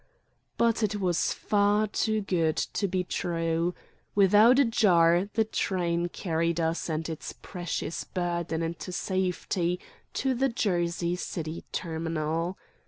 But it was far too good to be true. Without a jar the train carried us and its precious burden in safety to the Jersey City terminal.